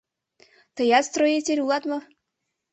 — Тыят строитель улат мо?